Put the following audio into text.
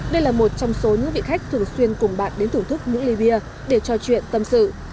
đây là một trong số những vị khách thường xuyên cùng bạn đến thưởng thức những ly bia để trò chuyện tâm sự